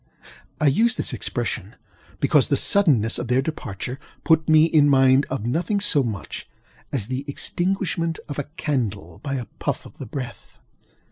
I use this expression, because the suddenness of their departure put me in mind of nothing so much as the extinguishment of a candle by a puff of the breath.